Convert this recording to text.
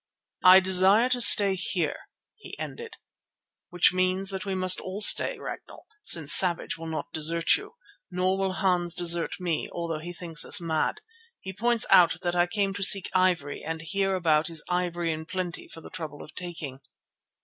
"I desire to stay here," he ended. "Which means that we must all stay, Ragnall, since Savage will not desert you. Nor will Hans desert me although he thinks us mad. He points out that I came to seek ivory and here about is ivory in plenty for the trouble of taking."